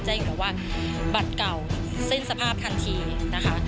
อยู่กับว่าบัตรเก่าสิ้นสภาพทันทีนะคะ